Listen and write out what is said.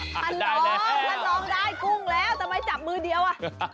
ท่านรองได้กุ้งแล้วทำไมจับมือเดียวอ่ะ